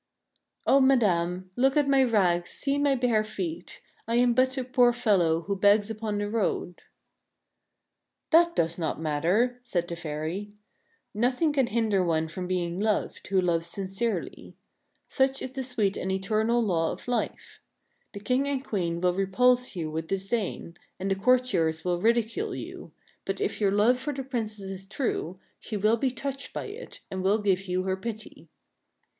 " O madame, look at my rags, see my bare feet. I am but a poor fellow who begs upon the road." " That does not matter," said the fairy. " Nothing can hinder one from being loved, who loves sincerely. Such is the sweet and eternal law of life. The King and Queen will re pulse you with disdain, and the courtiers will ridicule you ; but, if your love for the Princess is true, she will be touched by it, and will give you her pity."